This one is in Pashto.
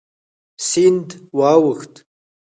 سیند واوښت.